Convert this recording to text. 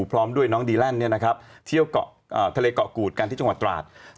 พร้อมด้วยน้องดีแลนด์เที่ยวทะเลเกาะกูดกันที่จังหวัดตราด